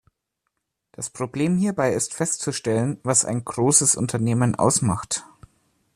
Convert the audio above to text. Das Problem hierbei ist festzustellen, was ein „großes“ Unternehmen ausmacht.